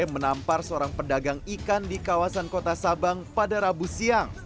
menampar seorang pedagang ikan di kawasan kota sabang pada rabu siang